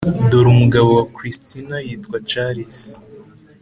dore umugabo wa christine, yitwa charles